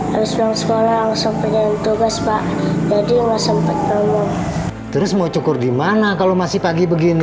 habis pulang sekolah langsung pegang tugas pak jadi nggak sempet ngomong terus mau cukur di mana kalau masih pagi begini